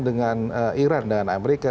dengan iran dan amerika